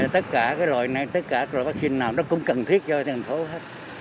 tất cả các loại vaccine nào đó cũng cần thiết cho thành phố hết